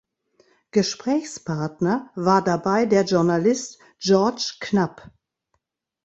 Gesprächspartner war dabei der Journalist George Knapp.